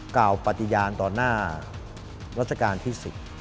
กล่าวปฏิญาณต่อหน้ารัชกาลที่๑๐